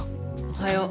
おはよう。